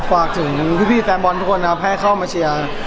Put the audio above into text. ฝากกับพี่แฟนบอลทุกคนให้เข้ามาเชียร์